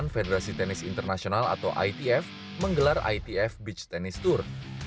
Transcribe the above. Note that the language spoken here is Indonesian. federasi tenis internasional atau itf menggelar itf beach tenis tour